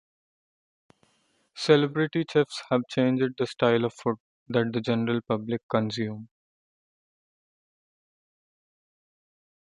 Celebrity chefs have changed the style of food that the general public consume.